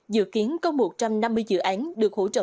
dự kiến có một trăm năm mươi dự án được hỗ trợ